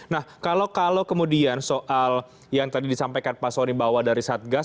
nah kalau kemudian soal yang tadi disampaikan pak soni bahwa dari satgas